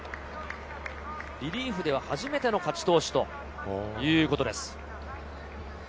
リリーフでは初めての勝ち投手ということです。